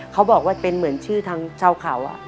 เขาบอกว่าเป็นเหมือนชื่อทางชาวเขา